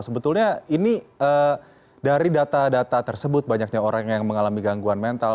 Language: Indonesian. sebetulnya ini dari data data tersebut banyaknya orang yang mengalami gangguan mental